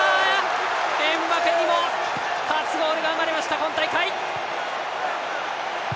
エムバペにも初ゴールが生まれました、今大会！